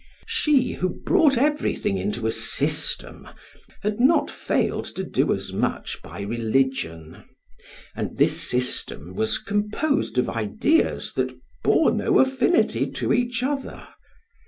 She, who brought everything into a system, had not failed to do as much by religion; and this system was composed of ideas that bore no affinity to each other.